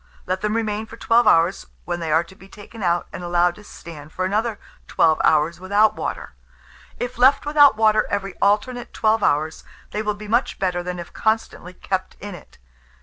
Let them remain for 12 hours, when they are to be taken out, and allowed to stand for another 12 hours without water. If left without water every alternate 12 hours, they will be much better than if constantly kept in it.